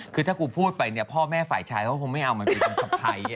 คือถ้าพูดไปพ่อแม่ไฝ่ชายเขาว่าผมไม่เอามันเป็นสะพาย